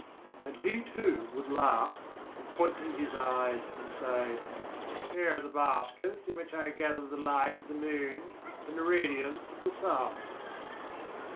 And he, too, would laugh and point to his eyes and say: "Here are the baskets in which I gather the light of the moon and the radiance of the sun."